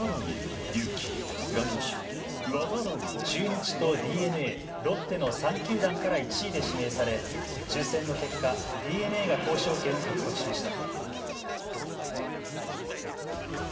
中日とＤｅＮＡ、ロッテの３球団から１位で指名され抽せんの結果、ＤｅＮＡが交渉権を獲得しました。